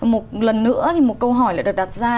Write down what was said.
một lần nữa thì một câu hỏi lại được đặt ra